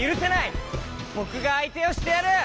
ぼくがあいてをしてやる！